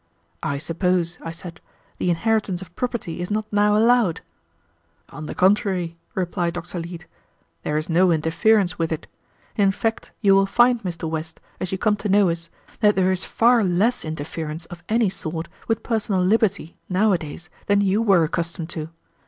"I suppose," I said, "the inheritance of property is not now allowed." "On the contrary," replied Dr. Leete, "there is no interference with it. In fact, you will find, Mr. West, as you come to know us, that there is far less interference of any sort with personal liberty nowadays than you were accustomed to.